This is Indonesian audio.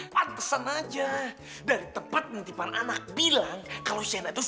pantesan aja dari tempat nanti para anak bilang kalau shaina itu suka buku ini